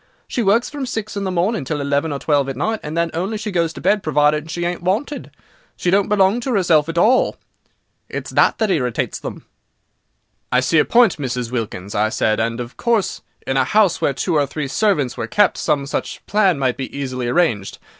She works from six in the morning till eleven or twelve at night, and then she only goes to bed provided she ain't wanted. She don't belong to 'erself at all; it's that that irritates them." "I see your point, Mrs. Wilkins," I said, "and, of course, in a house where two or three servants were kept some such plan might easily be arranged.